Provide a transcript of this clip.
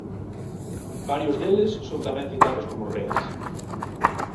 Varios deles son tamén citados como reis.